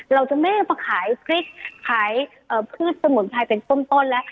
เราจะไม่ได้มาขายพริกขายพืชสมุนไพรเป็นต้นแล้ว